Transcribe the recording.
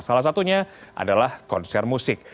salah satunya adalah konser musik